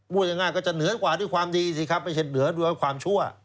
พูดง่ายก็จะเหนือกว่าด้วยความดีสิครับไม่ใช่เหนือด้วยความชั่ว